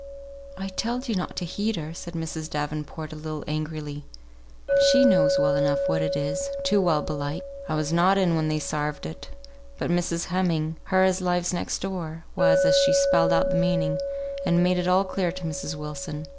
"I telled ye not to heed her," said Mrs. Davenport, a little angrily. "She knows well enough what it is, too well, belike. I was not in when they sarved it; but Mrs. Heming (her as lives next door) was, and she spelled out the meaning, and made it all clear to Mrs. Wilson.